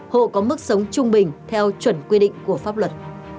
hộ có mức sống trung bình theo chuẩn quy định của pháp luật